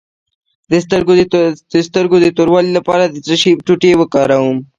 د سترګو د توروالي لپاره د څه شي ټوټې وکاروم؟